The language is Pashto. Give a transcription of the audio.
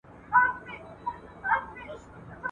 چونه انا راولئ، چي سر ئې په کټو کي ور پرې کي.